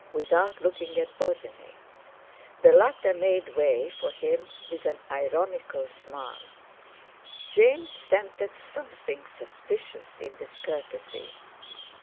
without looking at Bosinney. The latter made way for him with an ironical smile. James scented something suspicious in this courtesy.